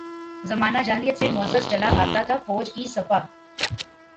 زمانہ جاہلیت سے معزز چلا آتا تھا، فوج کی سپہ